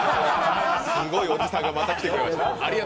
すごいおじさんがまた来てくれました。